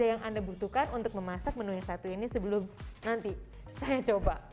yang anda butuhkan untuk memasak menu yang satu ini sebelum nanti saya coba